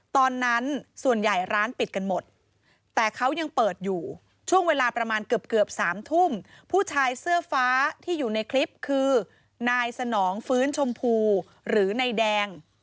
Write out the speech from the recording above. ตอนนั้นส่วนใหญ่ร้านปิดกันหมดแต่เขายังเปิดอยู่ช่วงเวลาประมาณเกือบเกือบ๓ทุ่มผู้ชายเสื้อฟ้าที่อยู่ในคลิปคือนายสนองฟื้นชมพูหรือนายแดง